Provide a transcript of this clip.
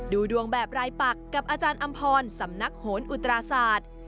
ดูดวงแบบรายปักกับอาจารย์อำพรสำนักโหนอุตราศาสตร์